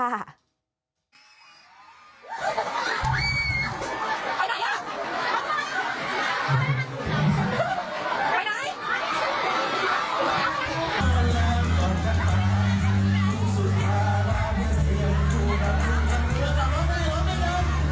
ไปไหนล่ะ